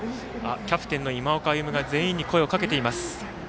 キャプテンの今岡歩夢が全員に声をかけています。